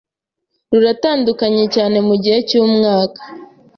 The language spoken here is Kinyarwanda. ruratandukanye cyane mugihe cyumwaka